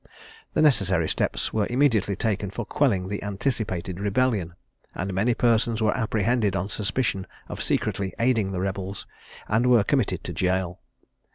The necessary steps were immediately taken for quelling the anticipated rebellion; and many persons were apprehended on suspicion of secretly aiding the rebels, and were committed to gaol.